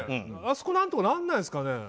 あそこ何とかならないですかね。